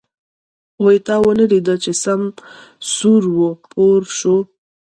وی تا ونه ليده چې سم سور و پور شو.